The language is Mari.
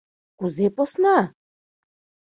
— Кузе посна?